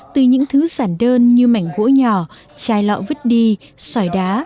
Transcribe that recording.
từ những thứ sản đơn như mảnh gỗ nhỏ chai lọ vứt đi sỏi đá